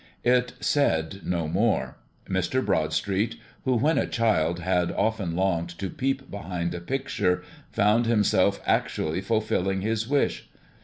It said no more. Mr. Broadstreet, who, when a child, had often longed to peep behind a picture, found himself actually fulfilling his wish.